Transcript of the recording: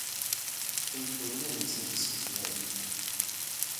Tinfulin ad nzent ass n letniyen.